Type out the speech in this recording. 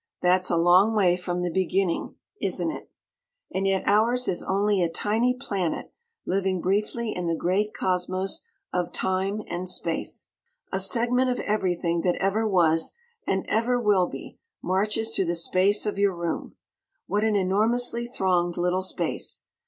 That's a long way from the Beginning, isn't it? And yet ours is only a tiny planet living briefly in the great cosmos of Time and Space! A segment of Everything that ever was and ever will be marches through the Space of your room. What an enormously thronged little Space!